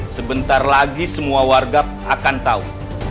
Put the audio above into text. sebentar lagi semua warga akan tahu